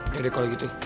ya udah kalo gitu